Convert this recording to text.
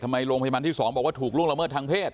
โรงพยาบาลที่๒บอกว่าถูกล่วงละเมิดทางเพศ